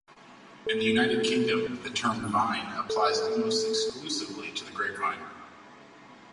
In the United Kingdom, the term "vine" applies almost exclusively to the grapevine.